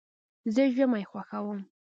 زه ژمی خوښوم.